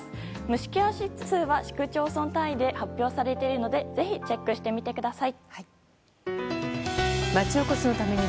虫ケア指数は、市区町村単位で発表されているのでぜひチェックしてみてください。